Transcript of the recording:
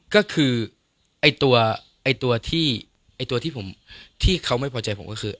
ก็คือไอ้ตัวที่ไอ้ตัวที่เขาไม่พอใจผมก็คือ